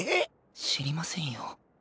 知りませんよ。